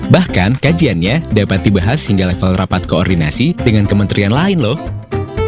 bahkan kajiannya dapat dibahas hingga level rapat koordinasi dengan kementerian lain lho